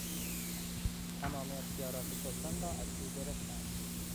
تمام اختیارات سلطان را از او گرفتند.